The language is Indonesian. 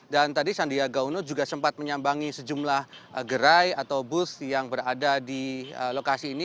dan tadi sandiaga uno juga sempat menyambangi sejumlah gerai atau bus yang berada di lokasi ini